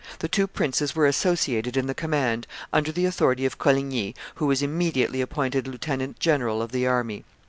The two princes were associated in the command, under the authority of Coligny, who was immediately appointed lieutenant general of the army.